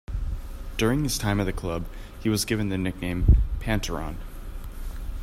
During his time at the club, he was given the nickname "Panteron".